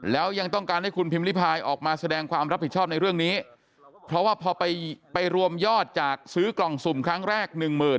แล้วยังต้องการให้คุณพิมพิพายออกมาแสดงความรับผิดชอบในเรื่องนี้เพราะว่าพอไปรวมยอดจากซื้อกล่องสุ่มครั้งแรกหนึ่งหมื่น